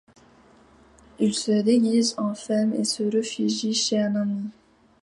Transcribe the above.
Il se déguise en femme et se réfugie chez un ami.